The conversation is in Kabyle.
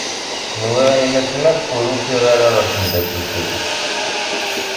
Nwiɣ ayen akken akk ur ufiɣ ara ɣer temddakelt-iw.